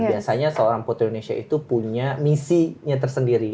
biasanya seorang putri indonesia itu punya misinya tersendiri